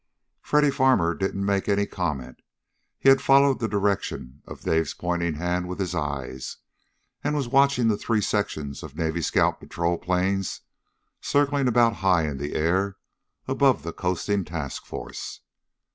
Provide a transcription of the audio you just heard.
Freddy Farmer didn't make any comment. He had followed the direction of Dave's pointing hand with his eyes, and was watching the three sections of Navy scout patrol planes circling about high in the air above the coasting task force.